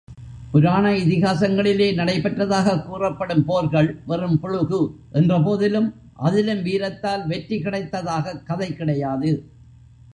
புராண இதிகாசங்களிலே நடைபெற்றதாகக் கூறப்படும் போர்கள், வெறும் புளுகு என்றபோதிலும், அதிலும் வீரத்தால் வெற்றி கிடைத்ததாகக் கதை கிடையாது.